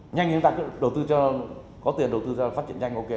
nhanh chúng ta có tiền đầu tư cho phát triển nhanh ok rồi